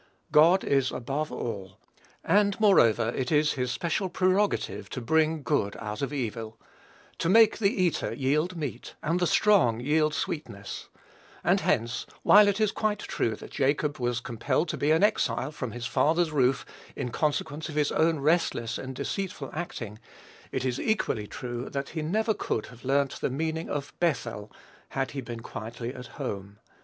God is above all; and, moreover, it is his special prerogative to bring good out of evil; to make the eater yield meat, and the strong yield sweetness; and hence, while it is quite true that Jacob was compelled to be an exile from his father's roof in consequence of his own restless and deceitful acting, it is equally true that he never could have learnt the meaning of "Bethel" had he been quietly at home.